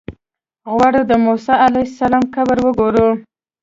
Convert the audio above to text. غواړو د موسی علیه السلام قبر وګورو.